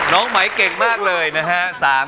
น้องไหมเก่งมากเลยนะฮะ